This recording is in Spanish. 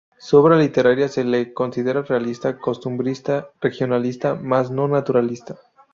Su obra literaria se le considera realista, costumbrista, regionalista, más no naturalista.